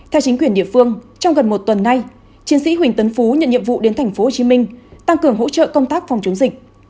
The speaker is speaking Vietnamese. theo chính quyền địa phương trong gần một tuần nay chiến sĩ huỳnh tấn phú nhận nhiệm vụ đến tp hcm tăng cường hỗ trợ công tác phòng chống dịch